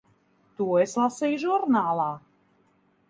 To es lasīju žurnālā.